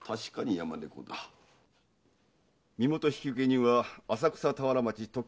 身元引受人は浅草田原町の！